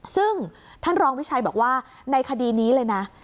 ซึ่งท่านรองวิชัยบอกว่าในคดีนี้เลยนะ